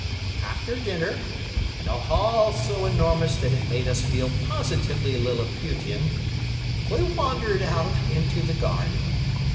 "After dinner, in a hall so enormous that it made us feel positively lilliputian, we wandered out into the garden.